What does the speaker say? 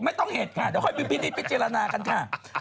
ไม่ต้องเหตุค่ะเดี๋ยวค่อยพิจารณากันค่ะ